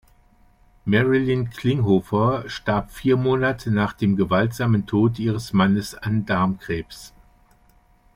Marilyn Klinghoffer starb vier Monate nach dem gewaltsamen Tod ihres Mannes an Darmkrebs.